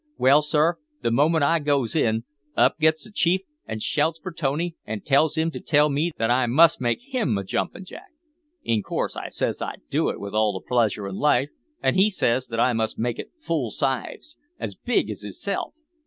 Well, sir, the moment I goes in, up gits the chief an' shouts for Tony, an' tells him to tell me that I must make him a jumpin' jack! In course I says I'd do it with all the pleasure in life; and he says that I must make it full size, as big as hisself!